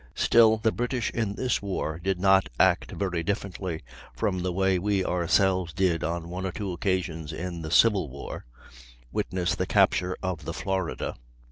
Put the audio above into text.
Still, the British in this war did not act very differently from the way we ourselves did on one or two occasions in the Civil War, witness the capture of the Florida.